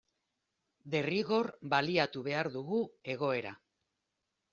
Derrigor baliatu behar dugu egoera.